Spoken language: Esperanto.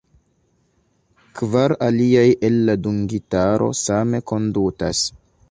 Kvar aliaj el la dungitaro same kondutas.